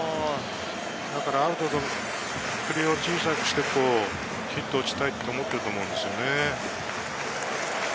だから振りを小さくしてヒットを打ちたいと思っていると思うんですよね。